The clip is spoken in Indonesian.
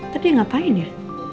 tadi ngapain ya